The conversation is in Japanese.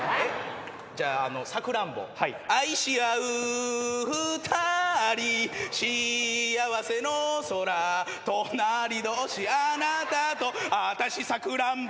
じゃあ『さくらんぼ』「愛し合う２人幸せの空」「隣どおしあなたとあたしさくらんぼ」